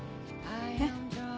えっ？